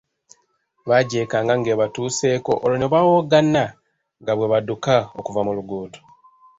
Bagyekanga nga ebatuuseeko olwo ne bawoggana nga bwe badduka okuva mu luguudo.